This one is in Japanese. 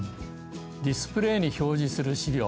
ディスプレーに表示する資料